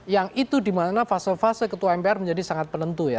yang itu dimana fase fase ketua mpr menjadi sangat penentu ya